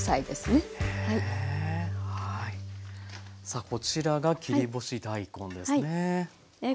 さあこちらが切り干し大根ですね。